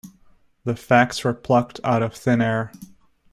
The facts were plucked out of thin air.